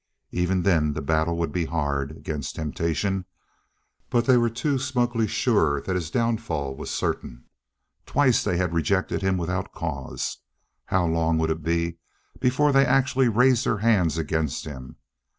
Even then the battle would be hard, against temptation; but they were too smugly sure that his downfall was certain. Twice they had rejected him without cause. How long would it be before they actually raised their hands against him?